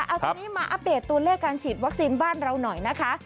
เอาทีนี้มาอัปเดตตัวเลขการฉีดวัคซีนบ้านเราหน่อยนะคะ